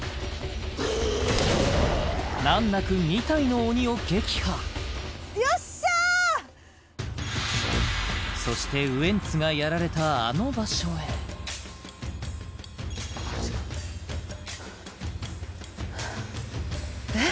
難なく２体の鬼を撃破そしてウエンツがやられたあの場所へえっ？